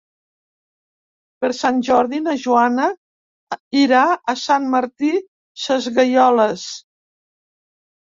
Per Sant Jordi na Joana irà a Sant Martí Sesgueioles.